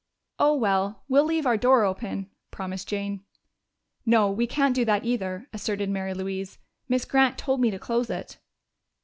"Oh, well, we'll leave our door open," promised Jane. "No, we can't do that either," asserted Mary Louise. "Miss Grant told me to close it."